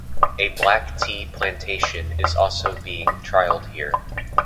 A black tea plantation is also being trialled here.